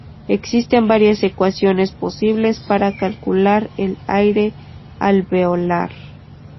Existen varias ecuaciones posibles para calcular el aire alveolar.